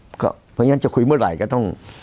เพราะฉะนั้นจะคุยเมื่อไหร่ก็ต้อง